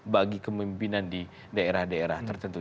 bagi kemimpinan di daerah daerah tertentu